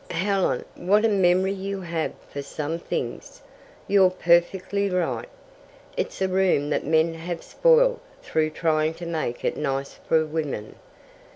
" "Helen, what a memory you have for some things! You're perfectly right. It's a room that men have spoilt through trying to make it nice for women.